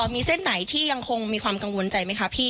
มีเส้นไหนที่ยังคงมีความกังวลใจไหมคะพี่